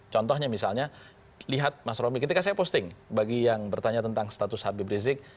contohnya misalnya lihat mas romy ketika saya posting bagi yang bertanya tentang status habib rizik